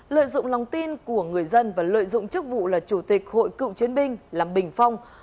lợi dụng lòng tin của người dân và lợi dụng chức vụ là chủ tịch hội cựu chiến binh làm bình phong